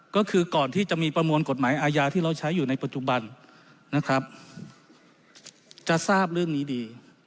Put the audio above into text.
ก็คือก่อนที่จะมีประมวลกฎหมายอาญาที่เราใช้อยู่ในปัจจุบันนะครับจะทราบเรื่องนี้ดี